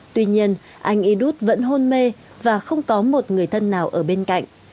tuy nhiên anh idut vẫn hôn mê và không có một người thân nào ở bên cạnh